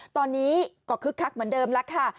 ตอนนี้ก็คึกคักเหมือนเดิมแล้วค่ะ